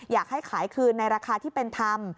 อยากให้ขายคืนในราคาที่เป็นธรรม